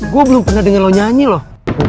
gue belum pernah dengar lo nyanyi loh